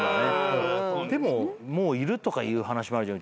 でももういるとかいう話もあるじゃん。